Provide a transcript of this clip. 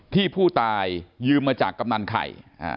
ที่ผู้ตายยืมมาจากกำนันไข่